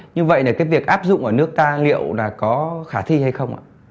như vậy là cái việc áp dụng ở nước ta liệu là có khả thi hay không ạ